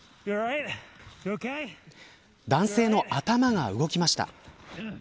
男性の頭が動きました。